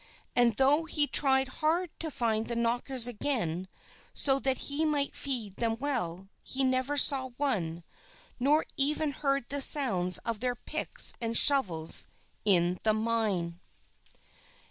And though he tried hard to find the Knockers again, so that he might feed them well, he never saw one, nor even heard the sounds of their picks and shovels in the mine.